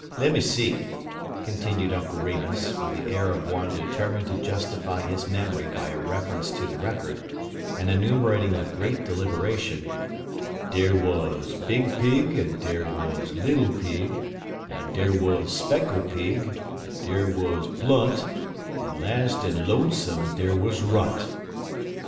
Lemme see," continued Uncle Remus, with the air of one determined to justify his memory by a reference to the record, and enumerating with great deliberation, "dar wuz Big Pig, en dar wuz Little Pig, en dar wuz Speckle Pig, en dar wuz Blunt, en las' en lonesomes' dar wuz Runt.